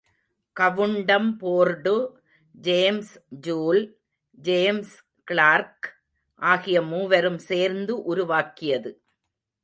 கவுண்டம்போர்டு, James Joule, James Clerk ஆகிய மூவரும் சேர்ந்து உருவாக்கியது.